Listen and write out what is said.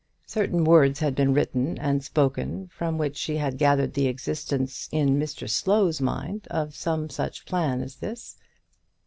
Certain words had been written and spoken from which she had gathered the existence, in Mr Slow's mind, of some such plan as this.